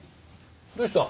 どうした？